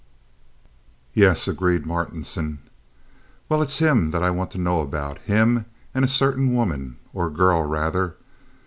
"Yes," agreed Mr. Martinson. "Well, it's him that I want to know about—him—and a certain woman, or girl, rather."